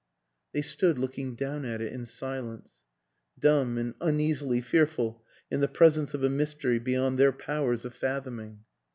They stood looking down at it in silence dumb and uneasily fearful in the presence of a mystery beyond their powers of fathoming.